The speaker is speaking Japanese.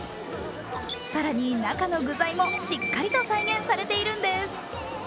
更に中の具材もしっかりと再現されているんです。